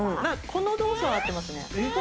この動作は合ってますね。